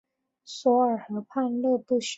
索尔河畔勒布雄。